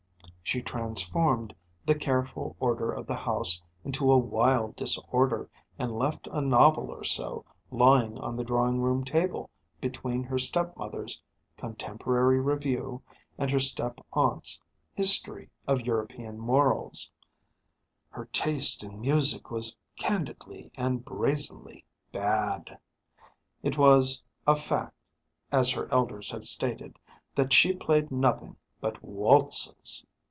She transformed the careful order of the house into a wild disorder, and left a novel or so lying on the drawing room table between her stepmother's Contemporary Review and her step aunt's History of European Morals. Her taste in music was candidly and brazenly bad. It was a fact, as her elders had stated, that she played nothing but waltzes.